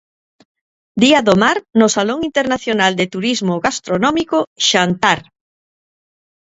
Día do mar no Salón Internacional de Turismo Gastronómico, Xantar.